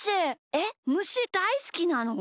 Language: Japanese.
えっむしだいすきなの？